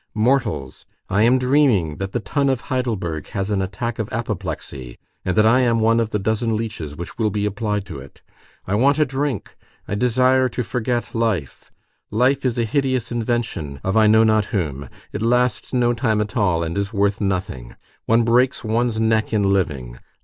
Mortals, I am dreaming: that the tun of Heidelberg has an attack of apoplexy, and that I am one of the dozen leeches which will be applied to it. I want a drink. I desire to forget life. Life is a hideous invention of I know not whom. It lasts no time at all, and is worth nothing. One breaks one's neck in living.